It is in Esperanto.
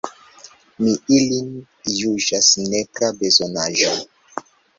Mi ilin juĝas nepra bezonaĵo.